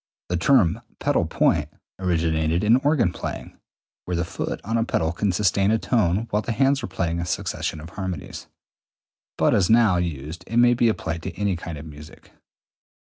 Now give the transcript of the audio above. The term pedal point originated in organ playing, (where the foot on a pedal can sustain a tone while the hands are playing a succession of harmonies), but as now used it may be applied to any kind of music.